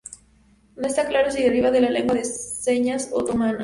No está claro si deriva de la lengua de señas otomana.